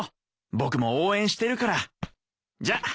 僕も応援してるからじゃっ。